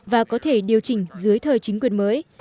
và có thể điều chỉnh dưới thời chính quyền mới